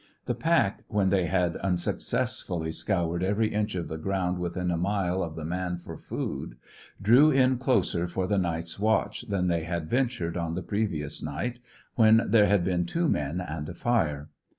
The pack, when they had unsuccessfully scoured every inch of the ground within a mile of the man for food, drew in closer for the night's watch than they had ventured on the previous night, when there had been two men and a fire.